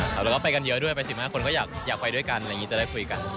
แล้วก็ไปกันเยอะด้วยไป๑๕คนก็อยากไปด้วยกันอะไรอย่างนี้จะได้คุยกัน